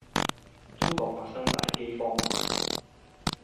中國發生大饑荒